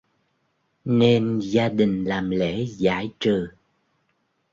nên gia đình làm lễ giải trừ